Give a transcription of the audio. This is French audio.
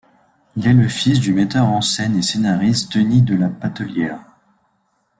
Il est le fils du metteur en scène et scénariste Denys de La Patellière.